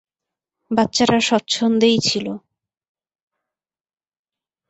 বাচ্চারা স্বচ্ছন্দেই ছিল।